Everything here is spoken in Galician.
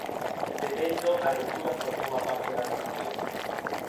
De feito, a ruptura formaba parte da relación.